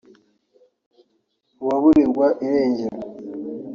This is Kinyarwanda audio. Mu baburirwa irengero